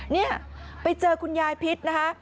นี่ไปเจอคุณยายพิษนะคะ